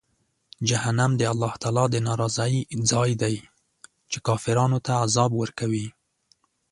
جهنم د الله تعالی د ناراضۍ ځای دی، چې کافرانو ته عذاب ورکوي.